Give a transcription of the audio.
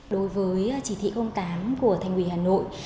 đối với chỉ thị tám của thành quỷ hà nội